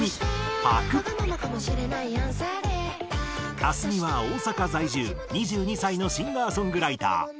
ａｓｍｉは大阪在住２２歳のシンガーソングライター。